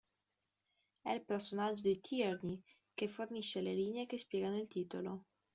È il personaggio di Tierney che fornisce le linee che spiegano il titolo.